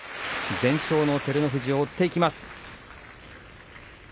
全勝の照ノ富士を追っていきます。